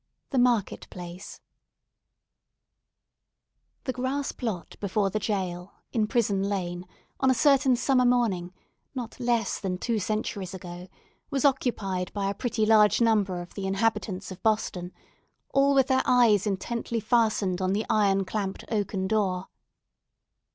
II. THE MARKET PLACE The grass plot before the jail, in Prison Lane, on a certain summer morning, not less than two centuries ago, was occupied by a pretty large number of the inhabitants of Boston, all with their eyes intently fastened on the iron clamped oaken door.